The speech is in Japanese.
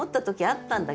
あった？